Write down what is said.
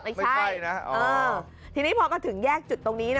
ไม่ใช่นะทีนี้พอก็ถึงแยกจุดตรงนี้นะ